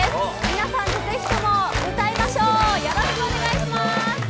皆さん、ぜひとも歌いましょう！